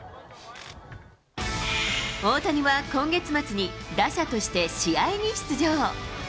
大谷は今月末に、打者として試合に出場。